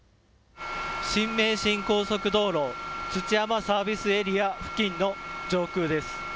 新名神高速道路土山サービスエリア付近の上空です。